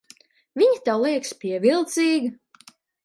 Viņa tev liekas pievilcīga?